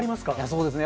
そうですね。